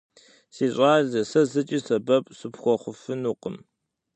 Си щӏалэ, сэ зыкӏи сэбэп сыпхуэхъуфынукъым.